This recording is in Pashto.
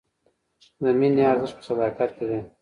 د مینې ارزښت په صداقت کې دی.